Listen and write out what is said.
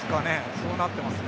そうなっていますね。